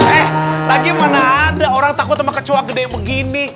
eh lagi mana ada orang takut sama kecowa gede begini